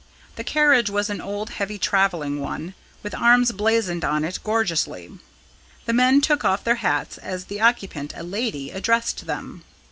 The carriage was an old heavy travelling one, with arms blazoned on it gorgeously. The men took off their hats, as the occupant, a lady, addressed them.